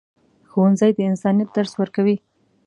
ښوونځی د انسانیت درس ورکوي.